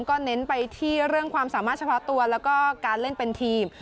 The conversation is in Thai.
ก็เน้นไปที่เรื่องความสามารถเฉพาะตัวแล้วก็การเล่นเป็นทีม